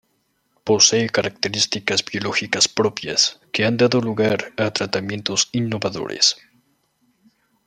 Posee características biológicas propias, que han dado lugar a tratamientos innovadores.